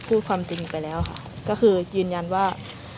พูดความจริงไปแล้วค่ะก็คือยืนยันว่า